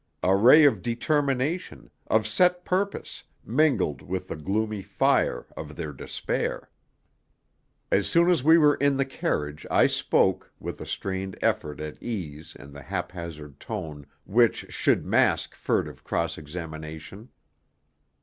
A ray of determination, of set purpose, mingled with the gloomy fire of their despair. As soon as we were in the carriage I spoke, with a strained effort at ease and the haphazard tone which should mask furtive cross examination.